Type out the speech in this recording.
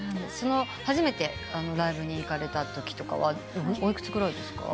初めてライブに行かれたときとかはお幾つくらいですか？